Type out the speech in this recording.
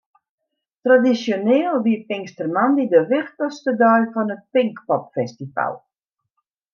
Tradisjoneel wie pinkstermoandei de wichtichste dei fan it Pinkpopfestival.